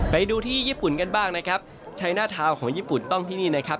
ไปดูที่ญี่ปุ่นกันบ้างนะครับใช้หน้าเท้าของญี่ปุ่นต้องที่นี่นะครับ